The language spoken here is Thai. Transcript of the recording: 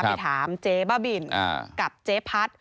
ไปถามเจ๊บ้าบินกับเจ๊พัด